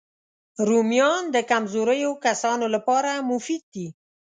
رومیان د کمزوریو کسانو لپاره مفید دي